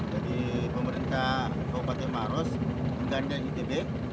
dari pemerintah bapak pak timah ros dan itb